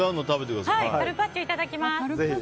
カルパッチョいただきます。